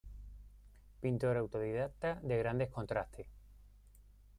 Pintor autodidacta de grandes contrastes.